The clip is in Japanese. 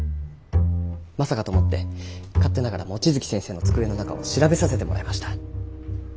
まさかと思って勝手ながら望月先生の机の中を調べさせてもらいました。